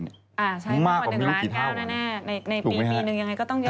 ใช้ฟอกว่า๑๙๐๐๐๐๐บาทแน่ในปีหนึ่งยังไงก็ต้องเยอะความราคาถูกมั้ยฮะ